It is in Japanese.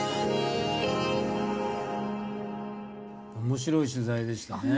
面白い取材でしたね。